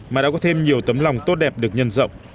mà đã có thêm nhiều tấm lòng tốt đẹp được nhân rộng